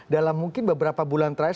dalam mungkin beberapa bulan terakhir